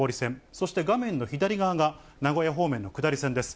そして画面の左側が名古屋方面の下り線です。